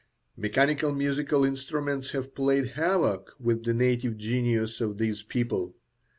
Mechanical musical instruments have played havoc with the native genius of these people.